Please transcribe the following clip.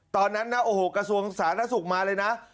ตอนนั้นโอ้โหกระสวงศาเนสุรกมาเลยนะ